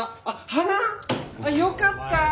あっよかった。